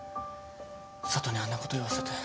佐都にあんなこと言わせて。